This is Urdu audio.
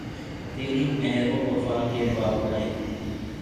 تیری مہر و وفا کے باب آئے